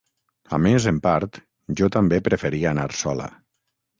A més, en part, jo també preferia anar sola.